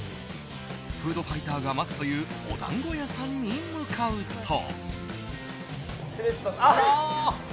フードファイターが待つというお団子屋さんに向かうと。